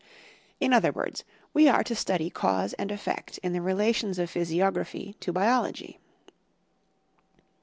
In other words, we are to study cause and effect in the relations of physiography to biology.